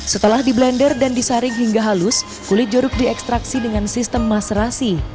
setelah di blender dan disaring hingga halus kulit jeruk diekstraksi dengan sistem masrasi